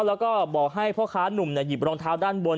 แล้วก็บอกให้พ่อค้านุ่มหยิบรองเท้าด้านบน